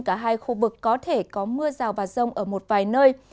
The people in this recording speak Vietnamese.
cả hai khu vực có thể có mưa rào và rông ở một vài nơi